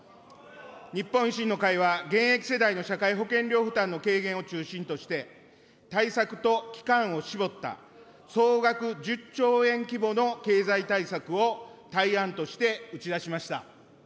日本維新の会は、現役世代の社会保険料負担の軽減を中心として、対策と期間を絞った総額１０兆円規模の経済対策を対案として打ち出しました。